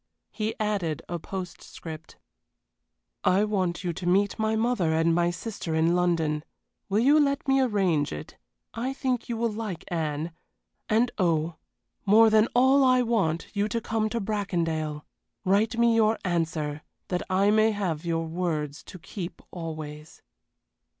He added a postscript: "I want you to meet my mother and my sister in London. Will you let me arrange it? I think you will like Anne. And oh, more than all I want you to come to Bracondale. Write me your answer that I may have your words to keep always."